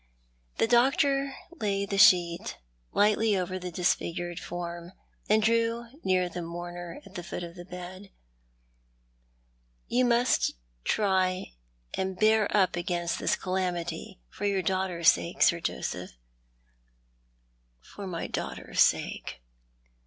The doctor laid the sheet lightly over the disfigured form, and drew near the mourner at the foot of the bed. " You must try and bear up against this calamity, for your daughter's sake, Sir Joseph." "For my daughter's sake!"